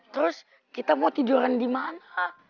terus kita mau tiduran dimana